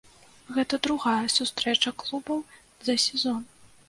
Гэта другая сустрэча клубаў за сезон.